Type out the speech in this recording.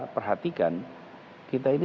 perhatikan kita ini